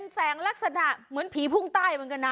แสงลักษณะเหมือนผีพุ่งใต้เหมือนกันนะ